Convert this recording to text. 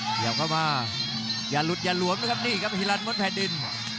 เหยียบเข้ามาอย่าหลุดอย่าหลวมนะครับนี่ครับฮิลันมดแผ่นดิน